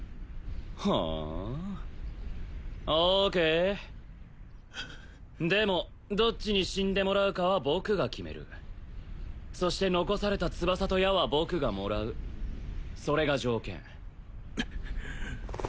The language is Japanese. ふんＯＫでもどっちに死んでもらうかは僕が決めるそして残された翼と矢は僕がもらうそれが条件